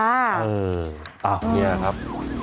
อ่ะนี่ครับ